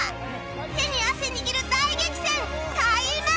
手に汗握る大激戦開幕！